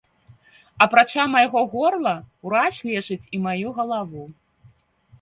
Апрача майго горла ўрач лечыць і маю галаву.